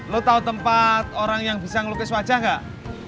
lo tau tempat orang yang bisa ngelukis wajah gak